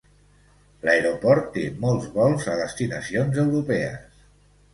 L'aeroport té molts vols a destinacions europees.